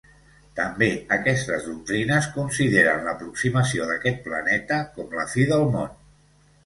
També aquestes doctrines consideren l'aproximació d'aquest planeta com la Fi del món.